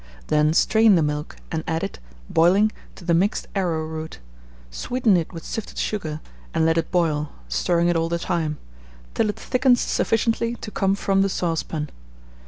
Then strain the milk, and add it, boiling, to the mixed arrowroot; sweeten it with sifted sugar, and let it boil, stirring it all the time, till it thickens sufficiently to come from the saucepan.